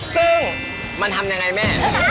ซึ่งมันทำยังไงแม่